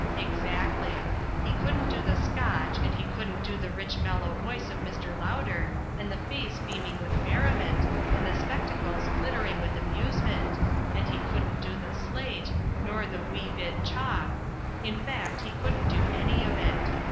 Exactly. He couldn't do the Scotch and he couldn't do the rich mellow voice of Mr. Lauder and the face beaming with merriment, and the spectacles glittering with amusement, and he couldn't do the slate, nor the "wee bit chalk" in fact he couldn't do any of it.